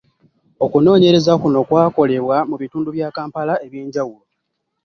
Okunoonyereza kuno kwakolebwa mu bitundu bya Kampala eby’enjawulo.